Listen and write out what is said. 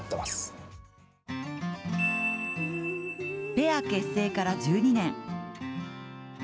ペア結成から１２年。